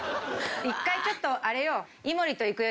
一回ちょっとあれよ。